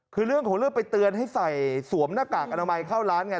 คือเรื่องของเรื่องไปเตือนให้ใส่สวมหน้ากากอนามัยเข้าร้านไง